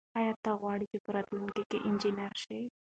آیا ته غواړې چې په راتلونکي کې انجنیر شې؟